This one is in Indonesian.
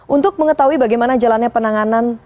untuk mengetahui bagaimana jalannya penanganan